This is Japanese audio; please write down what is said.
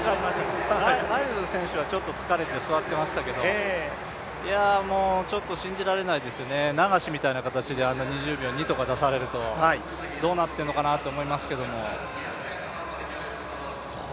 ライルズ選手は疲れて座ってましたけど、ちょっと信じられないですよね、流しみたいな形で２０秒２とか出されるとどうなってんのかなと思いますけども。